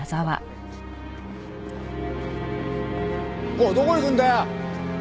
おいどこ行くんだよ！